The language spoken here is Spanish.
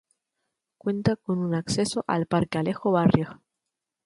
Cuenta con un acceso al Parque Alejo Barrios.